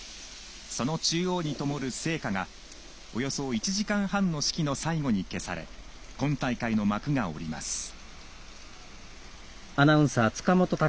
その中央にともる聖火がおよそ１時間半の式の最後に消され今大会の幕が下ります。